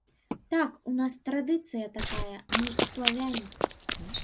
Так, у нас традыцыя такая, мы славяне.